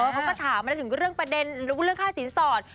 เขาก็ถามมาถึงเรื่องประเด็นเรื่องค่าสินสอด